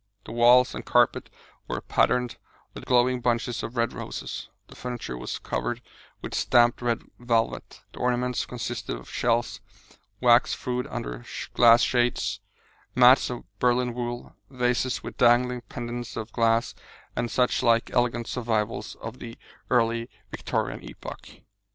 The walls and carpet were patterned with glowing bunches of red roses; the furniture was covered with stamped red velvet; the ornaments consisted of shells, wax fruit under glass shades, mats of Berlin wool, vases with dangling pendants of glass, and such like elegant survivals of the early Victorian epoch.